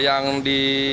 ya yang di